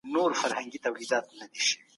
باطل په رښتیا کي هیڅ ځای نه لري.